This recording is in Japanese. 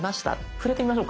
触れてみましょうか。